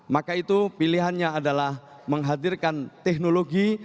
maka itu pilihannya adalah menghadirkan teknologi